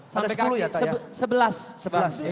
sampai kaki sebelas